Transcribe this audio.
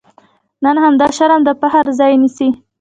نن همدا شرم د فخر ځای نیسي.